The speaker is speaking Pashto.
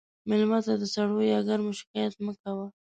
مېلمه ته د سړو یا ګرمو شکایت مه کوه.